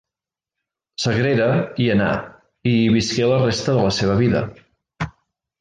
Sagrera hi anà i hi visqué la resta de la seva vida.